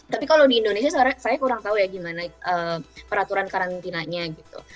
tapi kalau di indonesia saya kurang tahu ya gimana peraturan karantinanya gitu